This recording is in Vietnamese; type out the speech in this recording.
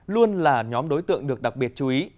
luôn là nhóm đối tượng được đặc biệt chú ý